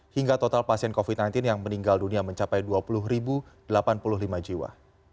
hingga total pasien covid sembilan belas yang meninggal dunia mencapai dua puluh delapan puluh lima jiwa